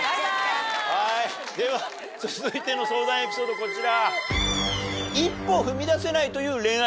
続いての相談エピソードこちら。